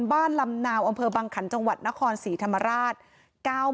ลำนาวอำเภอบังขันจังหวัดนครศรีธรรมราช